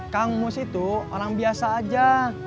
kamus itu orang biasa aja